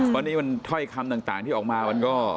วันนี้มันถ้อยคำต่างที่ออกมามันก็